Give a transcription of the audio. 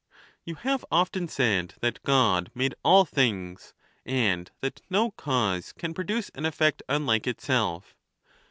^.,You have often said that God nade all things, and that no cause can produce an effect mlike itself.